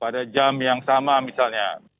pada jam yang sama misalnya